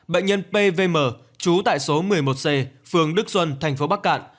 bệnh nhân pvm trú tại số một mươi một c phường đức xuân tp bắc cạn